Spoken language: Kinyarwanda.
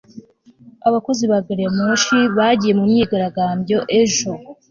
abakozi ba gari ya moshi bagiye mu myigaragambyo ejo